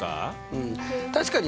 うん確かにね